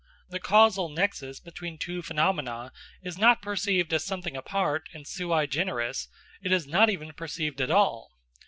The causal nexus between two phenomena is not perceived as something apart and sui generis; it is not even perceived at all.